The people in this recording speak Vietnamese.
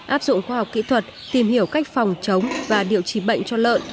áp dụng khoa học kỹ thuật tìm hiểu cách phòng chống và điều trị bệnh cho lợn